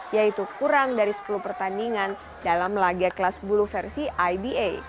yaitu kurang dari sepuluh pertandingan dalam laga kelas bulu versi iba